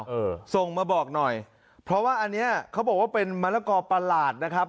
เออส่งมาบอกหน่อยเพราะว่าอันเนี้ยเขาบอกว่าเป็นมะละกอประหลาดนะครับ